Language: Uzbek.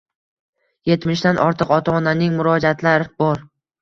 Yetmishdan ortiq ota-onaning murojaatlar bor